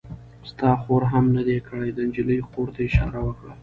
ستا خور هم نه دی کړی؟ د نجلۍ خور ته یې اشاره وکړه.